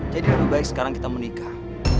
jadi lebih baik sekarang kita menikah